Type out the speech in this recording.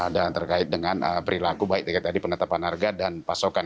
dan terkait dengan perilaku baik di penetapan harga dan pasokan